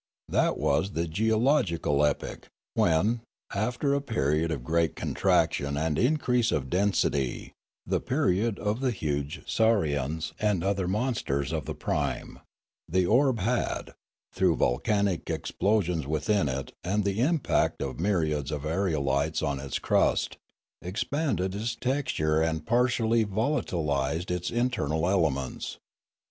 That was the geo logical epoch, when, after a period of great contraction and increase of density (the period of the huge saurians and other monsters of the prime), the orb had, through volcanic explosions within it and the impact of myriads 74 Limanora of aerolites on its crust, expanded its texture and par tially volatilised its internal elements.